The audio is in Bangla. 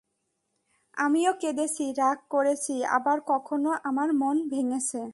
আমিও কেঁদেছি, রাগ করেছি, আবার কখনো আমার মন ভেঙ্গেছে।